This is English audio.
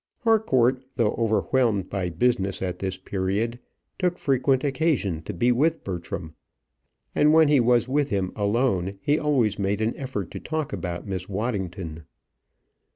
Harcourt, though overwhelmed by business at this period, took frequent occasion to be with Bertram; and when he was with him alone he always made an effort to talk about Miss Waddington.